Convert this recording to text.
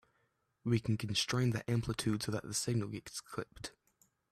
We can constrain the amplitude so that the signal gets clipped.